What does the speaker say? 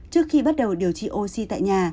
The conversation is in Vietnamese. trước khi bắt đầu điều trị oxy tại nhà